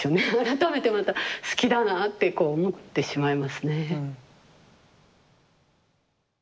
改めてまた好きだなあってこう思ってしまいますね。